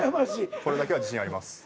これだけは自信あります。